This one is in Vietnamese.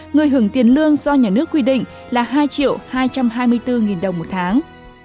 người hưởng tiền lương do nhà nước quy định là hai triệu hai trăm hai mươi bốn đồng một tháng